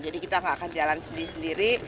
jadi kita tidak akan jalan sendiri sendiri